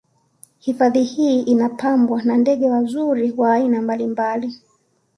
Hifadhii hii inapambwa na ndege wazuri wa aina mbalimbali